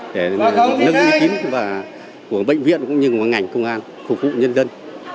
để nâng ý kiến của bệnh viện cũng như ngành công an phục vụ nhân dân